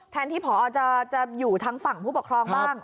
แทนที่ผอจะอยู่ทางฝั่งผู้ปกครองบ้าง